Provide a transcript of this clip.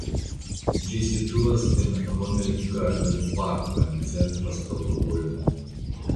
Ĝi situas en Homelgarden Parko en centra Stokholmo.